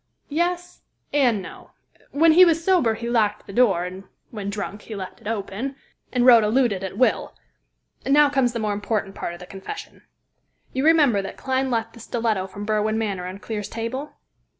"Yes, and no. When he was sober he locked the door, and when drunk he left it open, and Rhoda looted at will. And now comes the more important part of the confession. You remember that Clyne left the stiletto from Berwin Manor on Clear's table?"